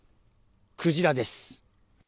クジラです。